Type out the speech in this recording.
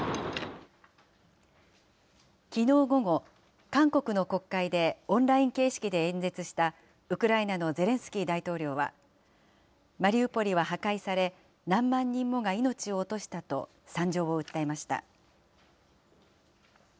きのう午後、韓国の国会でオンライン形式で演説したウクライナのゼレンスキー大統領は、マリウポリは破壊され、何万人もが命を落としたと惨状を訴えました。